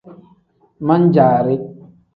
Min-jaari.